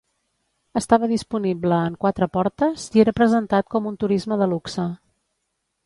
Estava disponible en quatre portes i era presentat com un turisme de luxe.